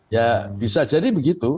ya bisa jadi begitu